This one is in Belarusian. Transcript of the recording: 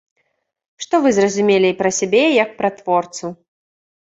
Што вы зразумелі пра сябе як пра творцу?